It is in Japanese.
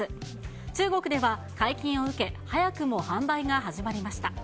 中国では解禁を受け、早くも販売が始まりました。